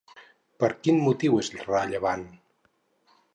Per quin motiu és rellevant?